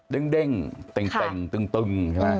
เด้งเต็งตึงใช่ไหม